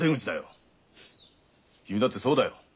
君だってそうだよ。